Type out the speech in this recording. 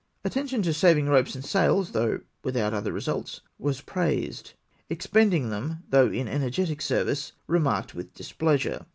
Attention to sa\dng ropes and sails, though without other results, was praised. Expending them, though in energetic service, remarked with displeasure.